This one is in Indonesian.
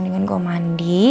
mendingan gue mandi